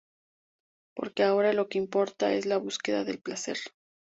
Porque ahora lo que importa es la búsqueda del placer.